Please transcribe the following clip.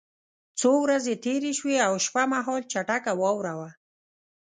څو ورځې تېرې شوې او شپه مهال چټکه واوره وه